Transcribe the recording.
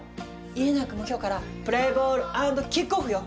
家長くんも今日からプレイボール＆キックオフよ。